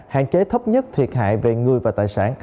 hạn chế thấp nhất thiệt hại về người và tài sản